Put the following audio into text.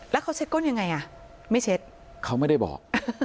แล้วเขาเช็ดก้นยังไงอ่ะไม่เช็ดเขาไม่ได้บอก